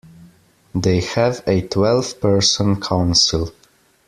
They have a twelve-person Council.